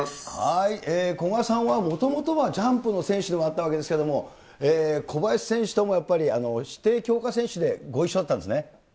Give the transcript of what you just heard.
古賀さんはもともとはジャンプの選手でもあったわけですけれども、小林選手とも指定強化選手でご一緒だったんですね。